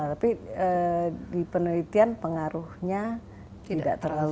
tapi di penelitian pengaruhnya tidak terlalu